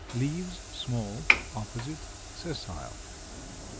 Leaves small, opposite, sessile.